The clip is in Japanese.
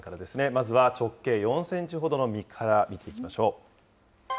まずは直径４センチほどの実から見ていきましょう。